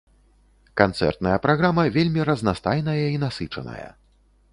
Канцэртная праграма вельмі разнастайная і насычаная.